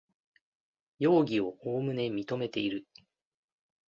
容疑をおおむね認めている